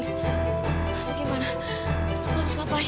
aduh gimana aku harus ngapain